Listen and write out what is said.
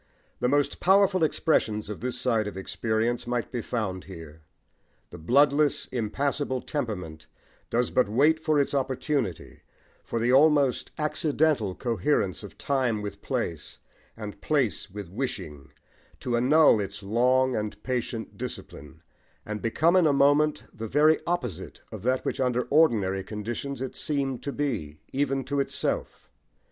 The most powerful expressions of this side of experience might be found here. The bloodless, impassible temperament does but wait for its opportunity, for the almost accidental coherence of time with place, and place with wishing, to annul its long and patient discipline, and become in a moment the very opposite of that which under ordinary conditions it seemed to be, even to itself.